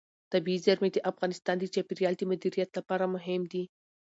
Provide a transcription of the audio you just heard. طبیعي زیرمې د افغانستان د چاپیریال د مدیریت لپاره مهم دي.